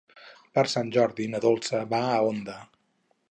Per Sant Jordi na Dolça va a Onda.